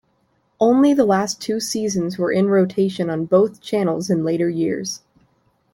Only the last two seasons were in rotation on both channels in later years.